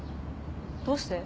どうして？